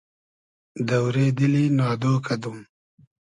دۆرې دیلی نادۉ کئدوم